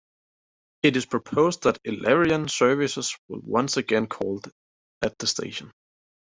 It is proposed that Illawarra services will once again call at the station.